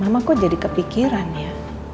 emang kok jadi kepikiran ya